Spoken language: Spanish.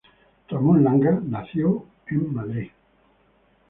Ramón Langa nació el en Madrid.